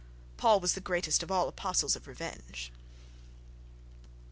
Paul was the greatest of all apostles of revenge....